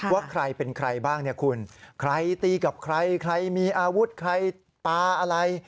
ว่าใครเป็นใครบ้างเนี่ยคุณใครตีกับใครใครมีอาวุธใครปลาอะไร